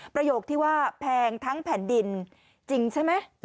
ประโยคที่ว่าแพงทั้งแผ่นดินจริงใช่ไหม